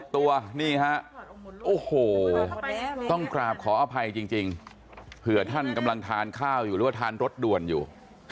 ทานข้าวอยู่หรือว่าทานรสดวนอยู่